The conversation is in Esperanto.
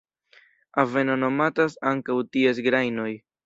Aveno nomatas ankaŭ ties grajnoj.